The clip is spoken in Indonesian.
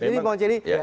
ini bang celi